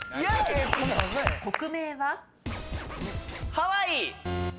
ハワイ！